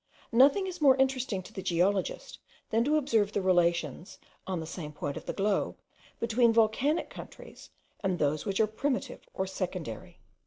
Nothing is more interesting to the geologist, than to observe the relations, on the same point of the globe, between volcanic countries, and those which are primitive or secondary.